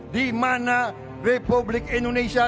di mana republik indonesia